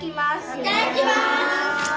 いただきます。